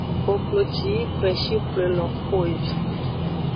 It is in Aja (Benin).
Koklo ci yi koeshi xwle lo xo evi.